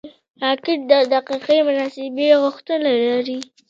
راکټ د دقیقې محاسبې غوښتنه لري